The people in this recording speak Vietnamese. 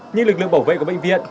nhưng lực lượng bảo vệ của bệnh viện